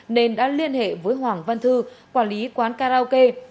nên đã liên hệ với hoàng văn thư quản lý quán karaoke